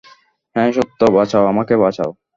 হে সত্য, বাঁচাও, আমাকে বাঁচাও।